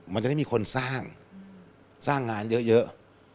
มันจะไม่มีคนสร้างสร้างงานเยอะ